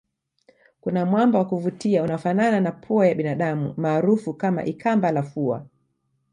Kuna mwamba wa kuvutia unaofanana na pua ya binadamu maarufu kama ikamba la fua